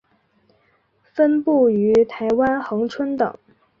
分布于台湾恒春等。